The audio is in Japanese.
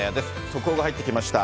速報が入ってきました。